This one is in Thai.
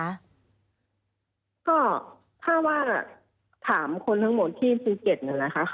ก็ถ้าว่าถามคนทั้งหมดที่ภูเก็ตน่ะนะคะ